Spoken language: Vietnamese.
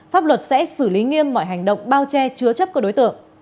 pháp luật sẽ xử lý nghiêm mọi hành động bao che chứa chấp các đối tượng